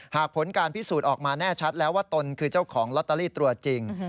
ผลการพิสูจน์ออกมาแน่ชัดแล้วว่าตนคือเจ้าของลอตเตอรี่ตัวจริง